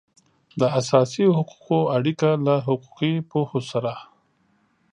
د اساسي حقوقو اړیکه له حقوقي پوهو سره